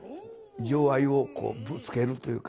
情愛をぶつけるというか。